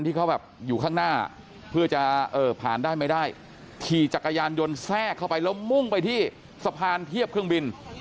ที่เขาแบบอยู่ข้างหน้าเพื่อจะผ่านได้ไม่ได้ขี่จักรยานยนต์แทรกเข้าไปแล้วมุ่งไปที่สะพานเทียบเครื่องบิน